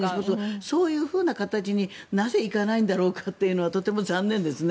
そういうふうな形になぜ行かないんだろうかというのはとても残念ですね。